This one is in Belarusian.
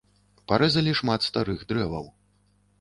Парэзалі шмат старых дрэваў.